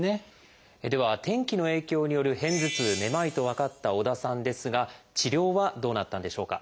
では天気の影響による片頭痛めまいと分かった織田さんですが治療はどうなったんでしょうか？